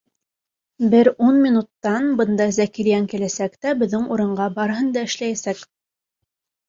Бер ун минуттан бында Зәкирйән киләсәк тә беҙҙең урынға барыһын да эшләйәсәк.